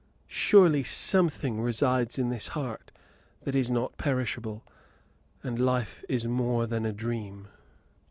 Surely something resides in this heart that is not perishable, and life is more than a dream.